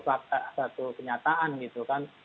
satu kenyataan gitu kan